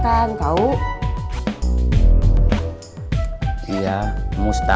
berenang itu bagus buat kesehatan